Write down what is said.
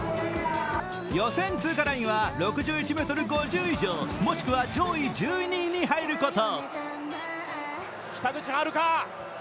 予選通過ラインは６１ｍ５０以上、もしくは上位１２位に入ること。